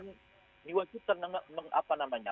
yang diwajibkan apa namanya